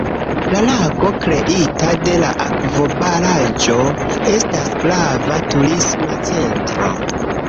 La lago kreita de la akvobaraĵo estas grava turisma centro.